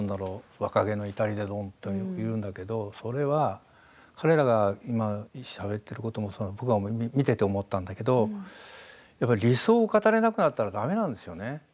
若気の至りだろうとよく言うんだけれどそれは彼らが今しゃべっていることも今、見ていて思ったんだけれど理想を語れなくなったらやっぱりだめなんですよね。